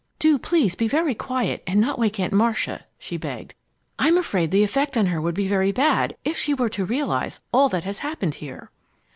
"Do please be very quiet and not wake Aunt Marcia!" she begged. "I'm afraid the effect on her would be very bad if she were to realize all that has happened here."